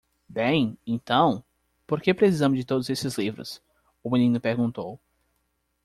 "Bem? então? por que precisamos de todos esses livros?" o menino perguntou.